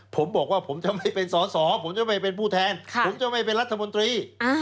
ผมบอกว่าผมจะไม่เป็นสอสอผมจะไม่เป็นผู้แทนผมจะไม่เป็นรัฐมนตรี